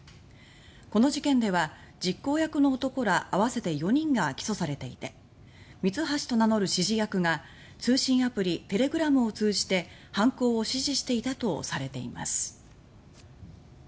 この事件では実行役の男ら合わせて４人が起訴されていてミツハシと名乗る指示役が通信アプリ、テレグラムを通じて犯行を指示していたとされています。